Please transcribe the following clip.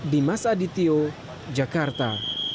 dimas adityo jakarta